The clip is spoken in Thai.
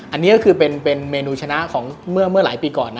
อันนี้ก็คือเป็นเมนูชนะของเมื่อหลายปีก่อนนะ